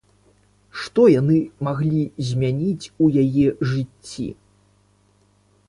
Што яны маглі змяніць у яе жыцці?